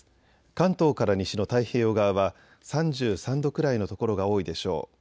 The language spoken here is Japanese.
関東から西の太平洋側は３３度くらいの所が多いでしょう。